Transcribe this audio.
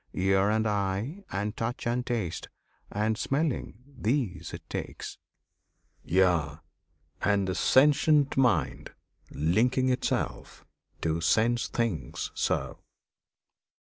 Ear and Eye, And Touch and Taste, and Smelling, these it takes, Yea, and a sentient mind; linking itself To sense things so.